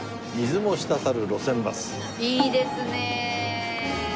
いいですねえ。